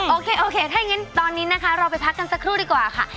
โอเคโอเคถ้าอย่างนั้นตอนนี้นะคะเราไปพักกันสักครู่ดีกว่าค่ะ